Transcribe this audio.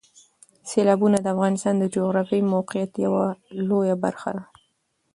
سیلابونه د افغانستان د جغرافیایي موقیعت یوه لویه پایله ده.